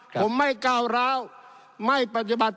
ท่านประธานที่ขอรับครับ